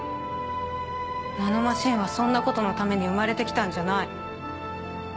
ナノマシンはそんなことのために生まれて来たんじゃない。